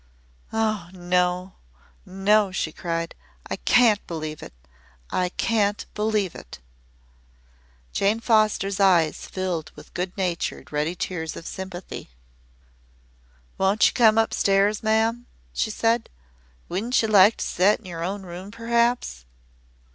"Oh! No! No!" she cried. "I can't believe it. I can't believe it!" Jane Foster's eyes filled with good natured ready tears of sympathy. "Won't you come up stairs, ma'am?" she said. "Wouldn't you like to set in your own room perhaps?"